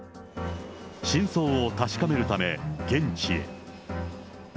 真相を確かめるため、現地へ。